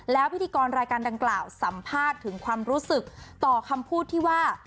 แล้วพิธีกรรายการดังกล่าวสัมภาษณ์ถึงความรู้สึกต่อคำพูดที่ว่า